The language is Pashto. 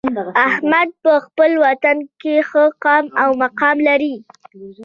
احمد په خپل وطن کې ښه قام او مقام لري.